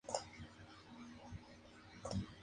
En teatro hizo unas temporadas con el humorista Jorge Corona.